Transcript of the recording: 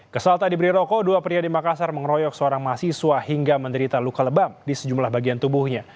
kesal tak diberi rokok dua pria di makassar mengeroyok seorang mahasiswa hingga menderita luka lebam di sejumlah bagian tubuhnya